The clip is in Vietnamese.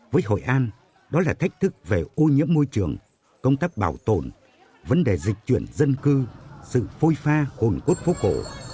với hội an đó là thách thức về ô nhiễm môi trường công tác bảo tồn vấn đề dịch chuyển dân cư sự phôi pha hồn cốt phố cổ